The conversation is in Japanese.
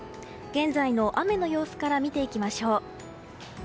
現在の雨の様子から見ていきましょう。